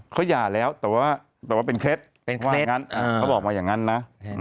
เขาหย่าแล้วแต่ว่าเป็นเคล็ดเขาบอกว่าอย่างงั้นนะ